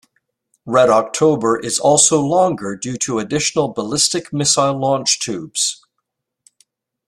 "Red October" is also longer due to additional ballistic missile launch tubes.